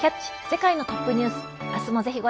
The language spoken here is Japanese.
世界のトップニュース」。